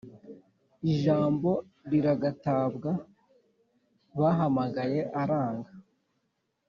Ijambo riragatabwa Bahamagaye aranga